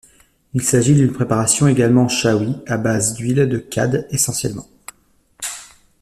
Il s'agit d'une préparation également chaoui à base d'huile de cade essentiellement.